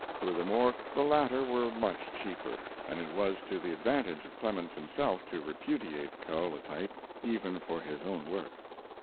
Furthermore, the latter were much cheaper, and it was to the advantage of Clemens himself to repudiate kaolatype, even for his own work.